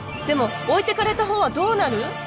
でも置いてかれたほうはどうなる？